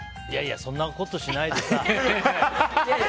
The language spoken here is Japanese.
いやいやそんなことしないでさ。